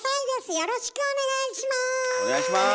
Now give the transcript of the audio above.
よろしくお願いします。